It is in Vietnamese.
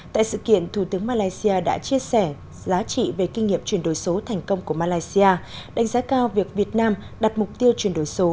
tại sự kiện thủ tướng malaysia đã chia sẻ giá trị về kinh nghiệm chuyển đổi số thành công của malaysia đánh giá cao việc việt nam đặt mục tiêu chuyển đổi số